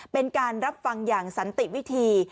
เป็นการรับฟังอย่างสันติวิธี